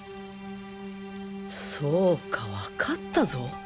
そうかわかったぞ！